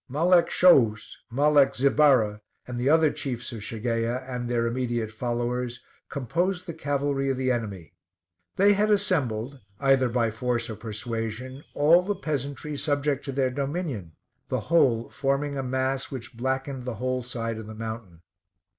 Malek Shouus, Malek Zibarra, and the other chiefs of Shageia, and their immediate followers, composed the cavalry of the enemy. They had assembled, either by force or persuasion, all the peasantry subject to their dominion, the whole forming a mass which blackened the whole side of the mountain.